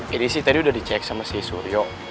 ini sih tadi udah dicek sama si suryo